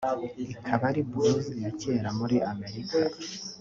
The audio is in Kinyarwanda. ikaba ari blues ya cyera muri Amerika